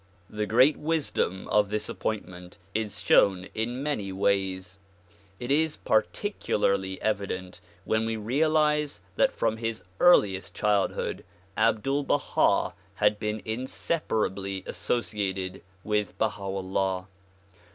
The great wisdom of this appointment is shown in many ways. It is particularly evident when we realize that from his earliest childhood Abdul Baha had been inseparably associated with Baha 'Ullah.